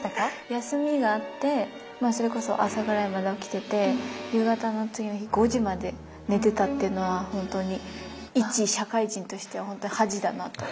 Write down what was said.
休みがあってそれこそ朝ぐらいまで起きてて夕方の次の日５時まで寝てたっていうのは本当に一社会人としては恥だなと。